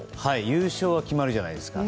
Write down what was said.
優勝が決まるじゃないですか。